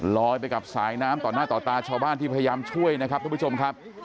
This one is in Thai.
ลอยไปกับสายน้ำต่อหน้าต่อตาชาวบ้านที่พยายามช่วยนะครับทุกผู้ชมครับ